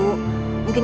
soalnya dia ngerti